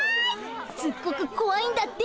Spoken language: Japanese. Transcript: すっごくこわいんだって。